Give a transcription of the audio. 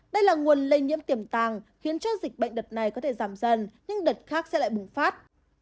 đây là nguồn lây nhiễm tiềm tàng khiến cho dịch bệnh đợt này có thể giảm dần nhưng đợt khác sẽ lại bùng phát